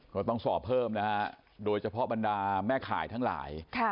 ก็ต้องสอบเพิ่มนะฮะโดยเฉพาะบรรดาแม่ข่ายทั้งหลาย